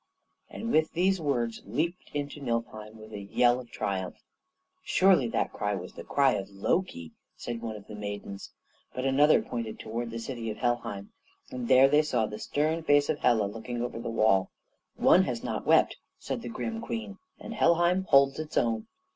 And with these words leaped into Niflheim with a yell of triumph. "Surely that cry was the cry of Loki," said one of the maidens; but another pointed towards the city of Helheim, and there they saw the stern face of Hela looking over the wall. "One has not wept," said the grim Queen, "and Helheim holds its own."